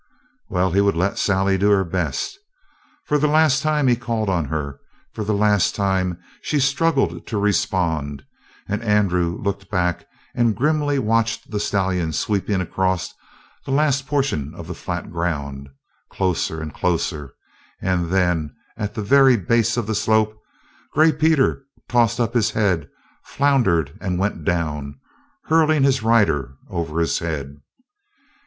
Well, he would let Sally do her best. For the last time he called on her; for the last time she struggled to respond, and Andrew looked back and grimly watched the stallion sweeping across the last portion of the flat ground, closer, closer, and then, at the very base of the slope, Gray Peter tossed up his head, floundered, and went down, hurling his rider over his head.